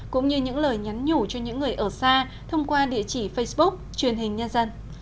cũng như những lời nhắn nhủ cho những người ở xa thông qua địa chỉ facebook truyền hình nhân dân